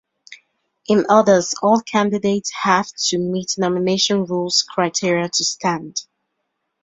In others all candidates have to meet nomination rules criteria to stand.